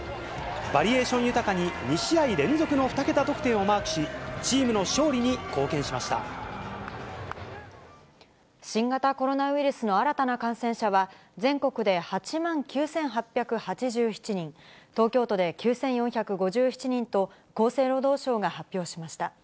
バリエーション豊かに２試合連続の２桁得点をマークし、チームの新型コロナウイルスの新たな感染者は、全国で８万９８８７人、東京都で９４５７人と、厚生労働省が発表しました。